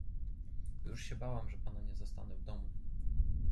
"Już się bałam, że pana nie zastanę w domu."